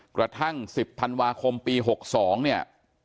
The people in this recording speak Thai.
กระทั่ง๑๐ธันวาคมปี๖๒เนี่ย